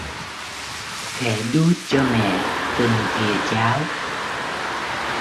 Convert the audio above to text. Khẽ đút cho mẹ từng thìa cháo